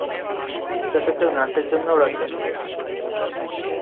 একে তো কেউ নার্সের জন্যেও রাখবে না!